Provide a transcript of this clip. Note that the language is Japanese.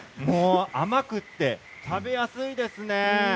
甘くて食べやすいですね。